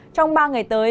trong ba ngày tới